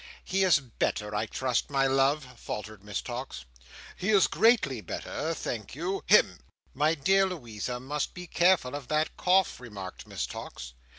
"He is better, I trust, my love," faltered Miss Tox. "He is greatly better, thank you. Hem!" "My dear Louisa must be careful of that cough" remarked Miss Tox.